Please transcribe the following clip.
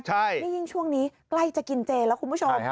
นี่ยิ่งช่วงนี้ใกล้จะกินเจแล้วคุณผู้ชม